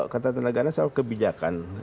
kata tenaga ini soal kebijakan